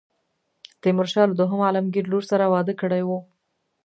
تیمورشاه له دوهم عالمګیر لور سره واده کړی وو.